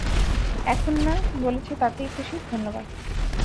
এখন না, বলেছ তাতেই খুশি, ধন্যবাদ।